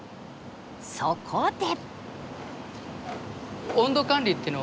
そこで。